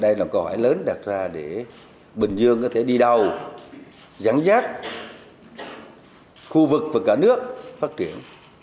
đây là câu hỏi lớn đặt ra để bình dương có thể đi đầu dẫn dắt khu vực và cả nước phát triển